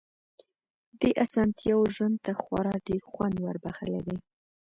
دې اسانتياوو ژوند ته خورا ډېر خوند وربښلی دی.